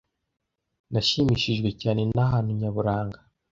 Nashimishijwe cyane n'ahantu nyaburanga.